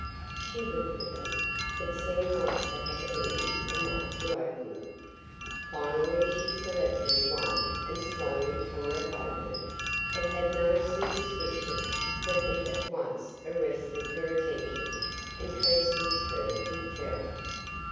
She looked at them, but seemed not to have energy enough to open them. Finally she selected one and slowly tore it open. It had no superscription, but it at once arrested her attention and transfixed her with terror.